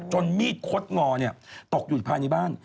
จนมีดคดงอเนี่ยตกอยู่ภายในบ้าน